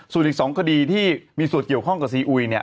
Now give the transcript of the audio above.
ส่วนอีก๒คดีที่มีส่วนเกี่ยวข้องกับซีอุยเนี่ย